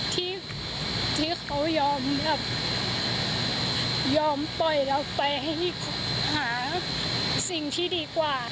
ที่เขายอมแบบยอมปล่อยเราไปให้หาสิ่งที่ดีกว่า